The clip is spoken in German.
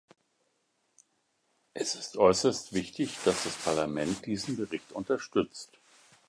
Es ist äußerst wichtig, dass das Parlament diesen Bericht unterstützt.